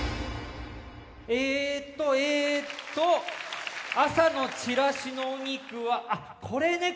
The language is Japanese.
えーとえーと朝のチラシのお肉はあっこれね